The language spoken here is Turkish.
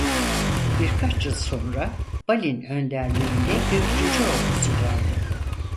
Birkaç yıl sonra Balin önderliğinde bir cüce ordusu geldi.